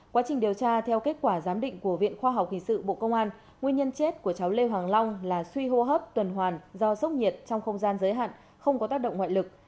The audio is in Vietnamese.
quá trình điều tra theo kết quả giám định của viện khoa học kỳ sự bộ công an nguyên nhân chết của cháu lê hoàng long là suy hô hấp tuần hoàn do sốc nhiệt trong không gian giới hạn không có tác động ngoại lực